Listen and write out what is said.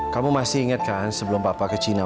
kamu masih ingat kan sebelum papa kecilnya